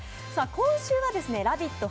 今週は「ラヴィット！」